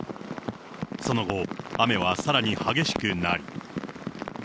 その後、雨はさらに激しくなり。